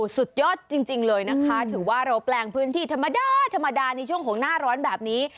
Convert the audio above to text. สุดยอดจริงเลยนะคะถือว่าเราแปลงพื้นที่ธรรมดาธรรมดาในช่วงของหน้าร้อนแบบนี้